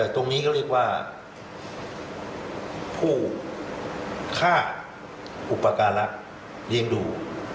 ตรงนี้ก็เรียกว่าผู้ฆ่าอุปการลักษณ์เลี้ยงดู